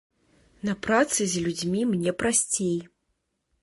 На працы з людзьмі мне прасцей.